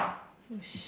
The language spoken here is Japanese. よし。